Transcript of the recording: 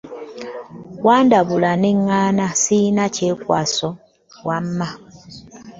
Wandabula ne ŋŋaana, ssirina kyekwaso wamma.